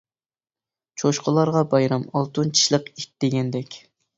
چوشقىلارغا بايرام، ئالتۇن چىشلىق ئىت دېگەندەك.